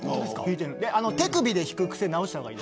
手首で弾く癖、直した方がいい。